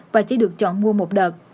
và chỉ được chọn mua một đợt